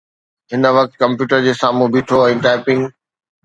هن وقت ڪمپيوٽر جي سامهون بيٺو ۽ ٽائپنگ.